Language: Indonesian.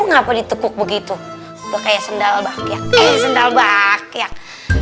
ngapa ditekuk begitu kayak sendal bakyak eh sendal bakyak